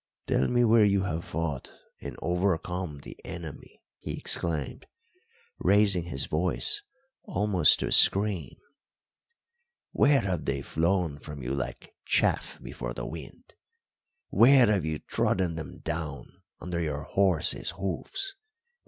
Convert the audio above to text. "Tell me where you have fought and overcome the enemy," he exclaimed, raising his voice almost to a scream. "Where have they flown from you like chaff before the wind? where have you trodden them down under your horses' hoofs?